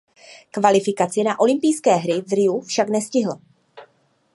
Kvalifikaci na olympijské hry v Riu však nestihl.